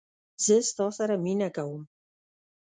زه ستا سره مینه کوم